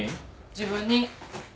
自分に。